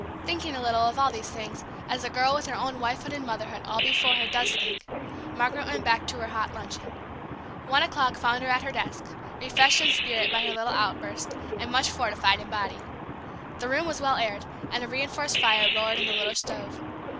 Thinking a little of all these things, as a girl with her own wifehood and motherhood all before her does think, Margaret went back to her hot luncheon. One o'clock found her at her desk, refreshed in spirit by her little outburst, and much fortified in body. The room was well aired, and a reinforced fire roared in the little stove.